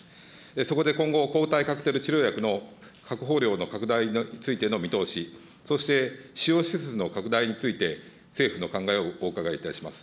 そこで今後、抗体カクテル治療薬の確保量の拡大についての見通し、そして使用施設の拡大について、政府の考えをお伺いいたします。